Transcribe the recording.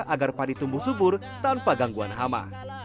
agar padi tumbuh subur tanpa gangguan hama